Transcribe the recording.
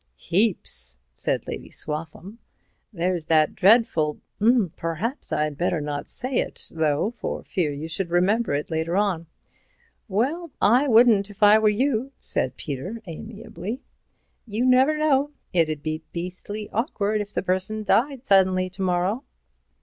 "Heaps," said Lady Swaffham. "There's that dreadful—perhaps I'd better not say it, though, for fear you should remember it later on." "Well, I wouldn't if I were you," said Peter, amiably. "You never know. It'd be beastly awkward if the person died suddenly to morrow."